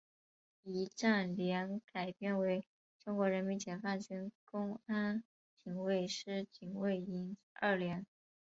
仪仗连改编为中国人民解放军公安警卫师警卫营二连。